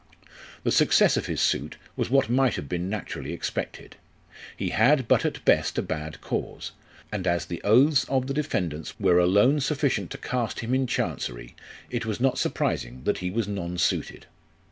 The success of his suit was what might have been naturally expected : he had but at best a bad cause, and as the oaths of the defendants were alone sufficient to cast him in Chancery, it was not surprising that he was nonsuited.